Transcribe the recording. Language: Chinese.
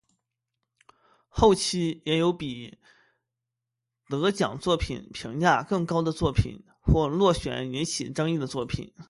后期也有比得奖作品评价更高的作品或落选引起争议的作品。